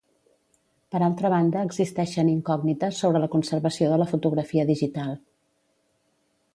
Per altra banda existeixen incògnites sobre la conservació de la fotografia digital.